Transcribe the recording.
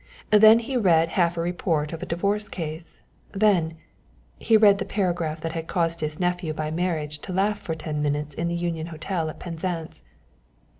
Then he read half a report of a divorce case, then he read the paragraph that had caused his nephew by marriage to laugh for ten minutes in the Union Hotel at Penzance.